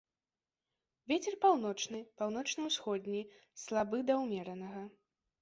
Вецер паўночны, паўночна-ўсходні, слабы да ўмеранага.